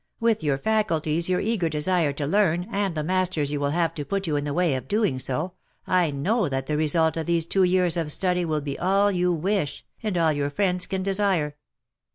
" With your faculties, your eager desire to learn, and the masters you will have to put you in the way of doing so, I know that the result of these two years of study will be all you wish, and all your friends can desire."